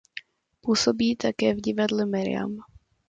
Působí také v divadle Miriam.